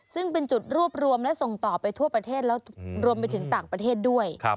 ซึ่งเป็นจุดรวบรวมและส่งต่อไปทั่วประเทศแล้วรวมไปถึงต่างประเทศด้วย